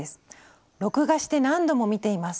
「録画して何度も見ています。